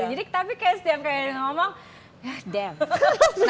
tapi setiap kali dia ngomong damn